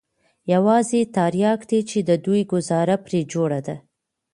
يوازې ترياک دي چې د دوى گوزاره پرې جوړه ده.